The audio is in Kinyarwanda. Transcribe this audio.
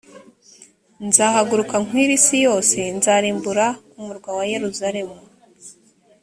nzahaguruka nkwire isi yose nzarimbura umurwa wa yeluzalemu